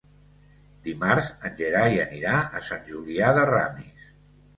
Dimarts en Gerai anirà a Sant Julià de Ramis.